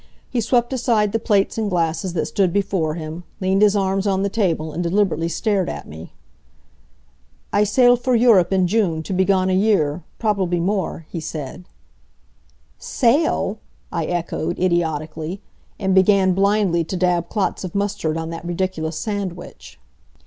He swept aside the plates and glasses that stood before him, leaned his arms on the table and deliberately stared at me. "I sail for Europe in June, to be gone a year probably more," he said. "Sail!" I echoed, idiotically; and began blindly to dab clots of mustard on that ridiculous sandwich.